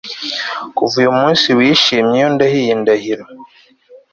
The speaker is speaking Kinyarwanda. kuva uyu munsi wishimye iyo ndahiriye iyi ndahiro